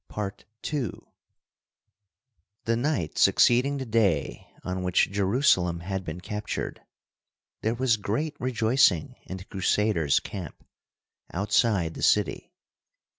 II The night succeeding the day on which Jerusalem had been captured, there was great rejoicing in the Crusaders' camp, outside the city.